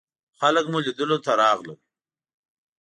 خلک مو لیدلو ته راغلل.